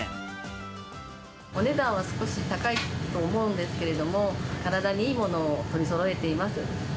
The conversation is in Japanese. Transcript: お値段は少し高いと思うんですけれども、体にいいものを取りそろえています。